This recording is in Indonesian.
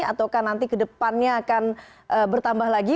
atau nanti ke depannya akan bertambah lagi